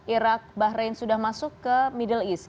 irak bahrain sudah masuk ke middle east